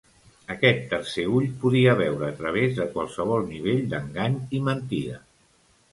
Aquest tercer ull podia veure a través de qualsevol nivell d'engany i mentida.